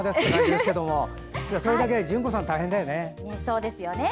でも、それだけ淳子さんは大変だよね。